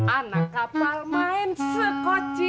anak kapal main sekoci